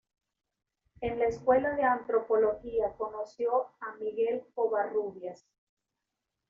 En la Escuela de Antropología conoció a Miguel Covarrubias.